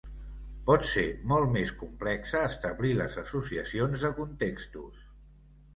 Pot ser molt més complexe establir les associacions de contextos.